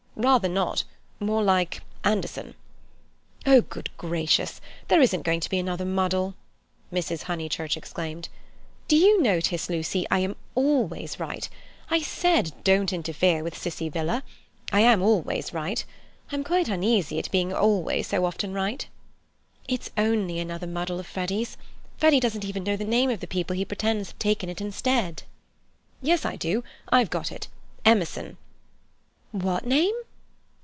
"Rather not. More like Anderson." "Oh, good gracious, there isn't going to be another muddle!" Mrs. Honeychurch exclaimed. "Do you notice, Lucy, I'm always right? I said don't interfere with Cissie Villa. I'm always right. I'm quite uneasy at being always right so often." "It's only another muddle of Freddy's. Freddy doesn't even know the name of the people he pretends have taken it instead." "Yes, I do. I've got it. Emerson." "What name?"